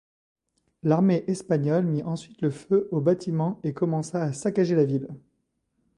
L'armée espagnole mit ensuite le feu aux bâtiments et commença à saccager la ville.